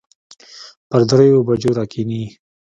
پر دريو بجو راکښېني.